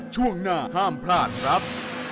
ช่วงหน้าห้ามพลาดครับ